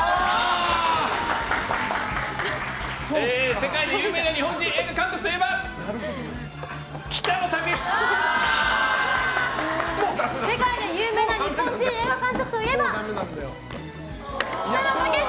世界で有名な日本人映画監督といえば世界で有名な日本人映画監督といえばきたのたけし！